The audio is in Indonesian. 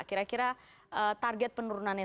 kira kira target penurunannya